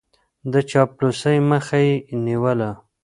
د چاپلوسۍ مخه يې نيوله.